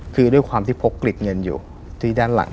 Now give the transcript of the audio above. คือด้วยความที่พกกลิดเงินอยู่ที่ด้านหลัง